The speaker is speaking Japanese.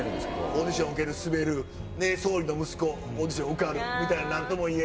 オーディション受けるスベる。で総理の息子オーディション受かるみたいな何ともいえん。